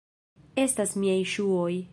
Estas miaj ŝuoj!